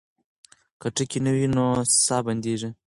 که ټکی نه وي ساه بندېږي.